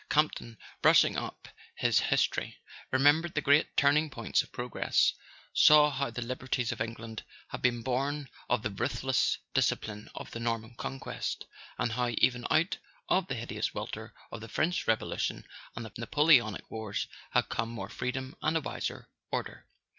Campton, brushing up his his¬ tory, remembered the great turning points of progress, saw how the liberties of England had been born of the ruthless discipline of the Norman conquest, and how even out of the hideous welter of the French Revolu¬ tion and the Napoleonic wars had come more freedom and a wiser order.